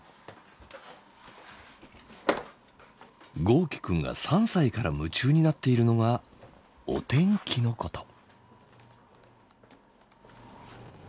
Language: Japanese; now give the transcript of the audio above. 豪輝くんが３歳から夢中になっているのがお天気のこと。